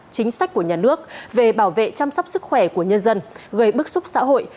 chính sách của nhà nước về bảo vệ chăm sóc sức khỏe của nhân dân gây bức xúc xã hội